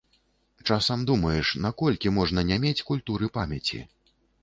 Часам думаеш, наколькі можна не мець культуры памяці?